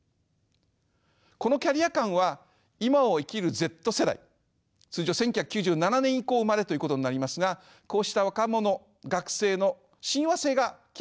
このキャリア感は今を生きるＺ世代通常１９９７年以降生まれということになりますがこうした若者学生の親和性が極めて高いともいえます。